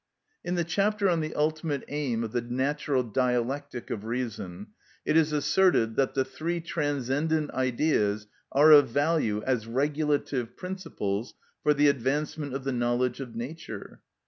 In the chapter on the ultimate aim of the natural dialectic of reason it is asserted that the three transcendent Ideas are of value as regulative principles for the advancement of the knowledge of nature.